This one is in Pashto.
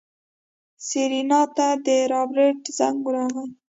سېرېنا ته د رابرټ زنګ راغی.